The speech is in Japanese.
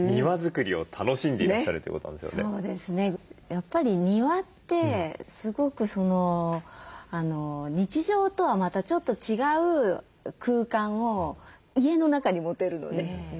やっぱり庭ってすごく日常とはまたちょっと違う空間を家の中に持てるので。